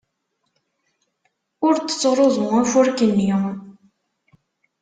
Ur d-ttruẓu afurk-nni.